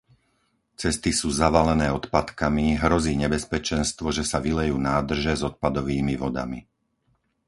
Cesty sú zavalené odpadkami hrozí nebezpečenstvo, že sa vylejú nádrže s odpadovými vodami.